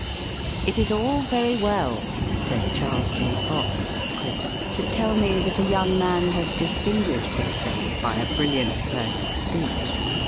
"It is all very well," said Charles J. Fox, "to tell me that a young man has distinguished himself by a brilliant first speech.